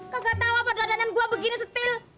kaga tau apa dadanan gua begini setil